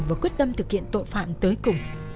và quyết tâm thực hiện tội phạm tới cùng